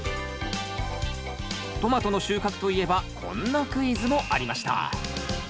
トマトの収穫といえばこんなクイズもありました